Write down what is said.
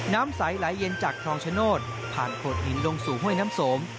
น้ำใสไหลเย็นจากคลองชโนธผ่านโขดหินลงสู่ห้วยน้ำสม